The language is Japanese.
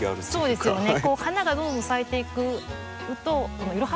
そうですね。